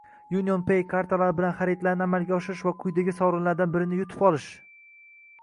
👉 UnionPay kartalari bilan xaridlarni amalga oshiring va quyidagi sovrinlardan birini yutib oling: